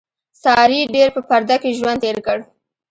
سارې ډېر په پرده کې ژوند تېر کړ.